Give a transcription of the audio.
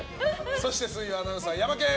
そして水曜アナウンサーヤマケン！